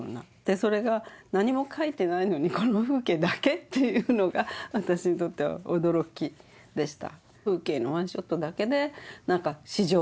それが何も描いていないのにこの風景だけっていうのが私にとっては驚きでした。